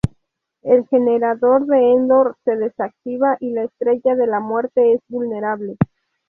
El generador de Endor se desactiva y la Estrella de la Muerte es vulnerable.